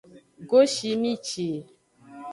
Goshimici.